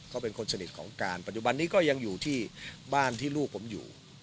ก็เป็นคนสนิทของการปัจจุบันนี้ก็ยังอยู่ที่บ้านที่ลูกผมอยู่